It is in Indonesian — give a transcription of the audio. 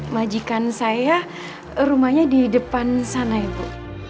majikan saya rumahnya di depan sana ya bu